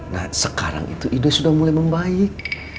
nah sekarang itu ide sudah mulai membaik